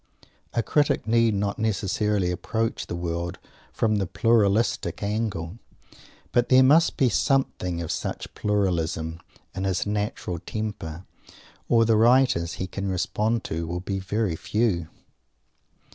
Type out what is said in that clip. A critic need not necessarily approach the world from the "pluralistic" angle; but there must be something of such "pluralism" in his natural temper, or the writers he can respond to will be very few!